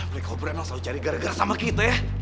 blank obrengan selalu cari gara gara sama kita ya